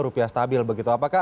rupiah stabil begitu apakah